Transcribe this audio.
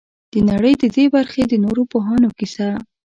د نړۍ د دې برخې د نورو پوهانو کیسه.